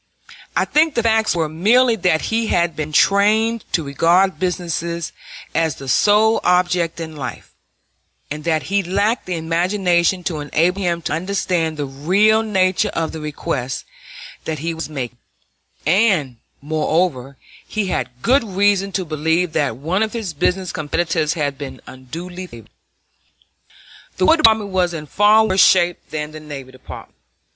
I think the facts were merely that he had been trained to regard business as the sole object in life, and that he lacked the imagination to enable him to understand the real nature of the request that he was making; and, moreover, he had good reason to believe that one of his business competitors had been unduly favored. The War Department was in far worse shape than the Navy Department.